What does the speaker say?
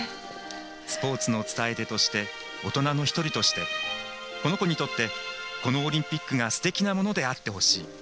スポーツの伝え手として大人の１人としてこの子にとってこのオリンピックがすてきなものであってほしい。